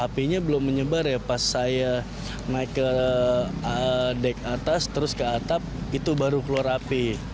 apinya belum menyebar ya pas saya naik ke dek atas terus ke atap itu baru keluar api